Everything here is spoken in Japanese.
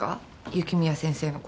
雪宮先生の事。